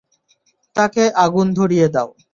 তাকে আগুন ধরিয়ে দাও।